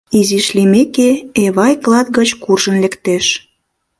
Изиш лиймеке, Эвай клат гыч куржын лектеш.